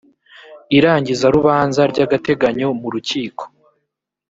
irangizarubanza ry agateganyo mu rukiko